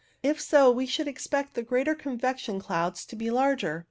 If so, we should expect the great convection clouds to be larger.